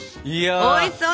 おいしそうです！